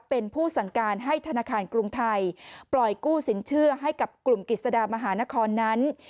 เป็นผู้สั่งการให้ธนาคารกรุงไทยปล่อยกู้สินเชื่อให้กับกลุ่มกิจสดามหานครนั้น